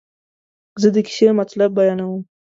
زه د کیسې مطلب بیانوم.